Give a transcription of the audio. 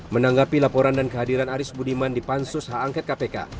menanggapi laporan dan kehadiran aris budiman di pansus hak angket kpk